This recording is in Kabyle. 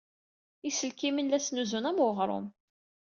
Iselkimen la ttnuzun am weɣrum.